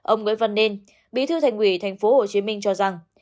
ông nguyễn văn nên bí thư thành ủy tp hcm cho rằng